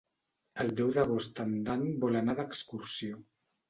El deu d'agost en Dan vol anar d'excursió.